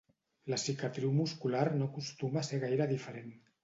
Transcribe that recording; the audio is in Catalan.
La cicatriu muscular no acostuma a ser gaire diferent.